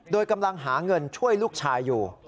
โดยกำลังหาเงินช่วยลูกชายอยู่